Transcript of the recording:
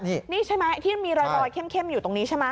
นี่ใช่ไหมที่มีรอยประวัติเข้มอยู่ตรงนี้ใช่ไหม